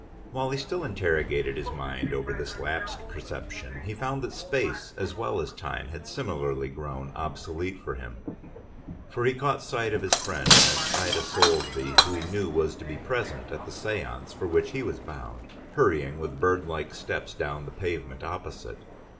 While he still interrogated his mind over this lapsed perception, he found that space as well as time, had similarly grown obsolete for him, for he caught sight of his friend Miss Ida Soulsby, who he knew was to be present at the séance for which he was bound, hurrying with bird like steps down the pavement opposite.